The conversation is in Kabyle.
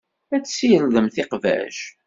Ad tessirdemt iqbac.